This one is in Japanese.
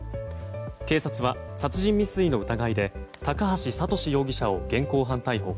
警察は殺人未遂の疑いで高橋智容疑者を現行犯逮捕。